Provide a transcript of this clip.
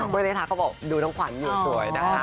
ไม่เลยค่ะเขาบอกดูทั้งขวัญอยู่สวยนะคะ